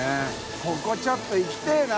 ここちょっと行きたいな。